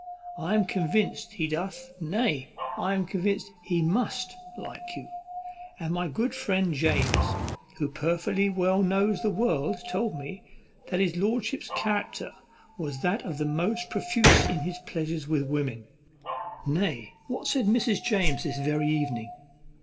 "I am convinced he doth, nay, I am convinced he must like you; and my good friend James, who perfectly well knows the world, told me, that his lordship's character was that of the most profuse in his pleasures with women; nay, what said Mrs. James this very evening?